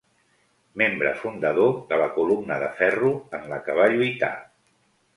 Membre fundador de la Columna de Ferro, en la que va lluitar.